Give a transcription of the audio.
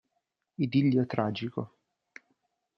Idillio tragico